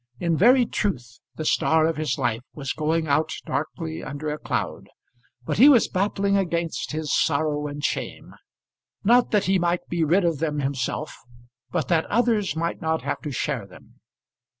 In very truth, the star of his life was going out darkly under a cloud; but he was battling against his sorrow and shame not that he might be rid of them himself, but that others might not have to share them.